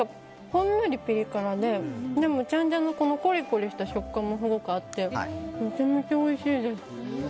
ほんのりピリ辛ででも、チャンジャのコリコリした食感もすごくあってめちゃめちゃおいしいです！